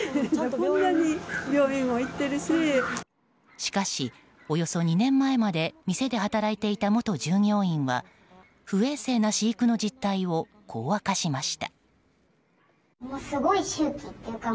しかし、およそ２年前まで店で働いていた元従業員は不衛生な飼育の実態をこう明かしました。